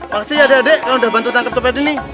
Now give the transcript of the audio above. makasih ya adek adek kalian udah bantu tangkep copet ini